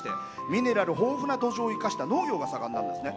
ミネラル豊富な土壌を生かして農業が盛んなんですね。